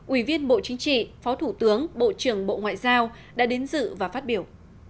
ủy viên bộ chính trị phó thủ tướng bộ trưởng bộ ngoại giao đã đến dự và phát biểu